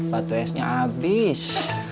batu esnya abis